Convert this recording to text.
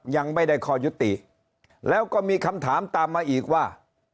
ยังไม่ได้ข้อยุติแล้วก็มีคำถามตามมาอีกว่า